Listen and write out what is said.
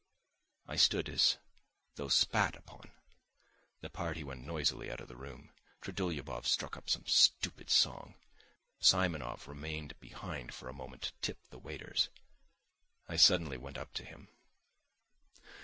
I stood as though spat upon. The party went noisily out of the room. Trudolyubov struck up some stupid song. Simonov remained behind for a moment to tip the waiters. I suddenly went up to him.